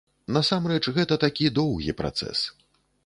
Насамрэч, гэта такі доўгі працэс.